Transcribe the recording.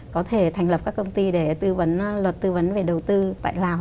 có thể thành lập các công ty để tư vấn luật tư vấn về đầu tư tại lào